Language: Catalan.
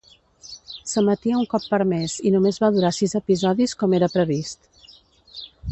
S'emetia un cop per mes i només va durar sis episodis com era previst.